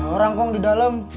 orang kong di dalam